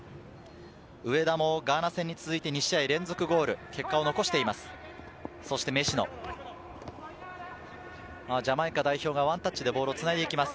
上田もガーナ戦に続いて２試合連続ゴール、結果を残しています。